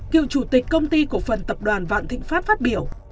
cựu chủ tịch công ty cổ phần tập đoàn vạn thịnh pháp phát biểu